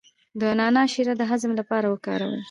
د نعناع شیره د هضم لپاره وکاروئ